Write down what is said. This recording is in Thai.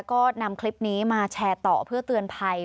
ก็นำคลิปนี้มาแชร์ต่อเพื่อเตือนภัย